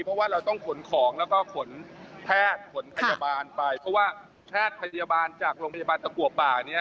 เพราะว่าเราต้องขนของแล้วก็ขนแพทย์ขนพยาบาลไปเพราะว่าแพทย์พยาบาลจากโรงพยาบาลตะกัวป่าเนี่ย